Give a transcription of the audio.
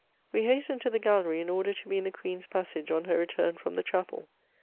We hastened to the gallery in order to be in the Queen's passage on her return from the chapel.